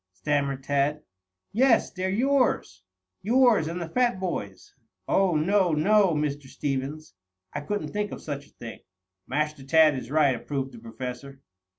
stammered Tad. "Yes. They're yours, yours and the fat boy's." "Oh, no, no, Mr. Stevens! I couldn't think of such a thing." "Master Tad is right," approved the Professor.